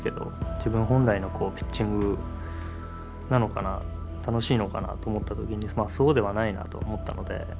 自分本来のピッチングなのかな楽しいのかなと思った時にそうではないなと思ったので。